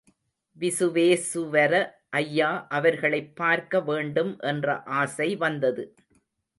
விசுவேசுவர ஐயா அவர்களைப் பார்க்க வேண்டும் என்ற ஆசை வந்தது.